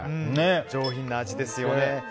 上品な味ですよね。